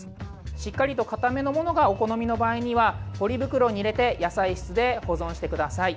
しっかりとかためのものがお好みの場合にはポリ袋に入れて野菜室で保存してください。